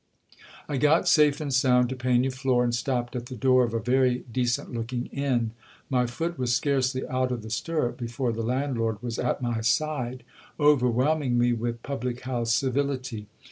I got safe and sound to Pegnaflor, and stopped at the door of a very decent looking inn. My foot was scarcely out of the stirrup before the landlord was at my side, overwhelming me with public house civility.